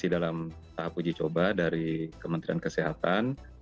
dalam tahap uji coba dari kementerian kesehatan